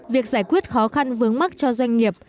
việc giải quyết khó khăn vướng mắt cho doanh nghiệp